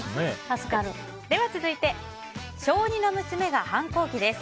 では、続いて小２の娘が反抗期です。